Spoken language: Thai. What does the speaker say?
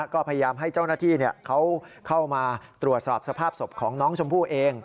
ก็พยายามให้เจ้าหน้าที่เขาเข้ามาตรวจสอบสภาพศพของน้องชมพู่เอง